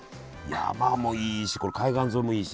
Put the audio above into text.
山もいいしこの海岸沿いもいいし。